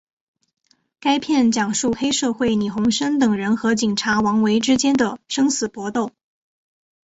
该片讲述黑社会李鸿声等人和警察王维之间的生死搏斗。